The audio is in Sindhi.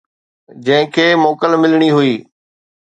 جنهن کي موڪل ملڻي هئي.